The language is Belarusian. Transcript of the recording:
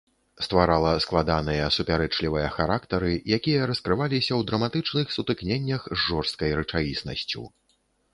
Стварала складаныя, супярэчлівыя характары, якія раскрываліся ў драматычных сутыкненнях з жорсткай рэчаіснасцю.